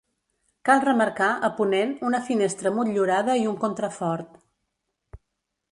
Cal remarcar, a ponent, una finestra motllurada i un contrafort.